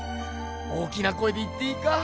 大きな声で言っていいか？